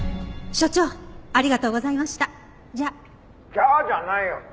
「“じゃあ”じゃないよ！」